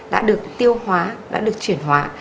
đã được tiêu hóa đã được chuyển hóa